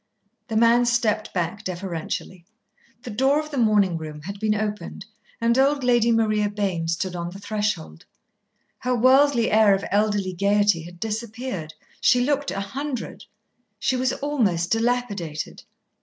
The man stepped back deferentially. The door of the morning room had been opened, and old Lady Maria Bayne stood on the threshold. Her worldly air of elderly gaiety had disappeared. She looked a hundred. She was almost dilapidated.